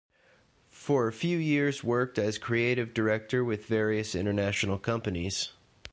For a few years worked as creative director with various international companies.